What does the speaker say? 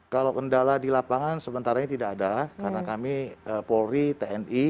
kalau kendala dilapangan sementaranya tidak ada karena kami polri tni